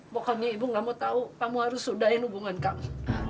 pokoknya ibu gak mau tahu kamu harus sudahin hubungan kamu